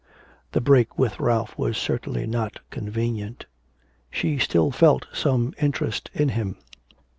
The break with Ralph was certainly not convenient. She still felt some interest in him.